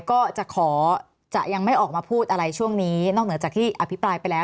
ก็จะขอจะยังไม่ออกมาพูดอะไรช่วงนี้นอกเหนือจากที่อภิปรายไปแล้ว